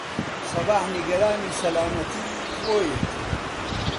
سەباح نیگەرانی سەلامەتیی خۆیەتی.